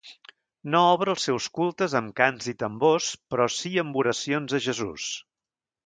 No obre els seus cultes amb cants i tambors, però sí amb oracions a Jesús.